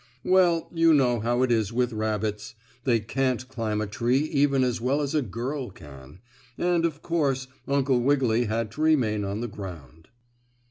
Well, you know how it is with rabbits. They can't climb a tree even as well as a girl can, and, of course, Uncle Wiggily had to remain on the ground.